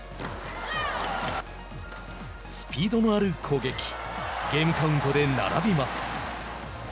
スピードのある攻撃ゲームカウントで並びます。